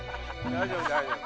大丈夫大丈夫。